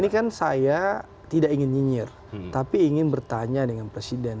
ini kan saya tidak ingin nyinyir tapi ingin bertanya dengan presiden